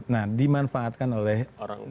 nah dimanfaatkan oleh network jaringan